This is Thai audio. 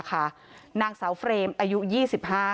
ความปลอดภัยของนายอภิรักษ์และครอบครัวด้วยซ้ำ